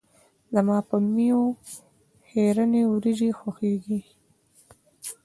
زما په میو خیرنې وريژې خوښیږي.